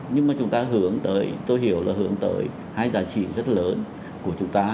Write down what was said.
nhưng mà chúng ta hướng tới tôi hiểu là hướng tới hai giá trị rất lớn của chúng ta